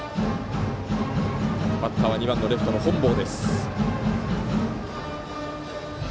バッターは２番のレフトの本坊。